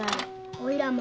おいらも。